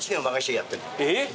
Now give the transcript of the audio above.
えっ？